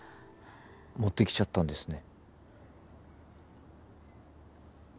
持ってきちゃったんですね。